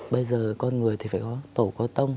bây giờ con người thì phải có tổ có tông